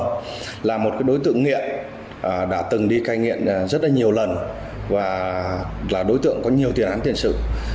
đối tượng nguyễn mạnh linh là một đối tượng nghiện đã từng đi cai nghiện rất nhiều lần và là đối tượng có nhiều thiền án tiền sự